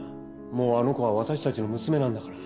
もうあの子は私たちの娘なんだから。